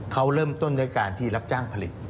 เขาเริ่มต้นด้วยการที่รับจ้างผลิต